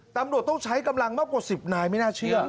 ตำรวจต้องใช้กำลังมากกว่า๑๐นายไม่น่าเชื่อ